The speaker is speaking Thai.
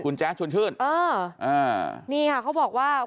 คุณแจ๊ดชวนชื่นอ่าอ่านี่ค่ะเขาบอกว่า